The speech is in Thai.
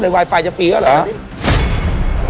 ไวไฟจะฟรีแล้วเหรอ